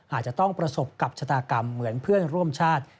อาจจะต้องประสบกับชะตากรรมเหมือนเพื่อนร่วมชาติ